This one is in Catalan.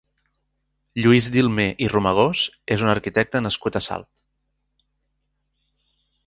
Lluís Dilmé i Romagós és un arquitecte nascut a Salt.